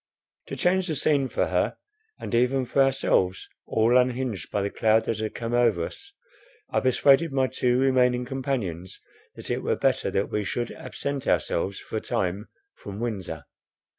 To change the scene for her, and even for ourselves, all unhinged by the cloud that had come over us, I persuaded my two remaining companions that it were better that we should absent ourselves for a time from Windsor.